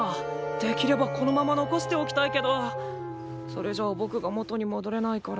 できればこのまま残しておきたいけどそれじゃぼくが元にもどれないから。